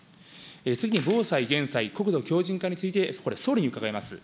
次に防災・減災・国土強じん化について、これ、総理に伺います。